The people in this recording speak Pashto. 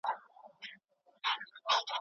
د پیغمبر فیصله د ټولو لپاره بېلګه ده.